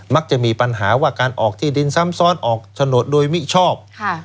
มักจะมีปัญหาว่าการออกที่ดินซ้ำซ้อนออกโฉนดโดยมิชอบ